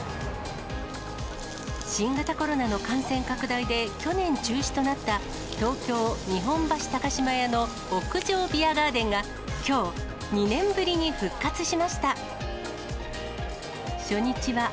新型コロナの感染拡大で去年中止となった東京、日本橋高島屋の屋上ビアガーデンがきょう、２年ぶりに復活しました。